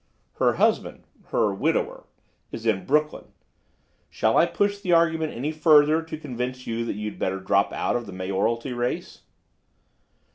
"Her husband—her widower—is in Brooklyn. Shall I push the argument any further to convince you that you'd better drop out of the mayoralty race?"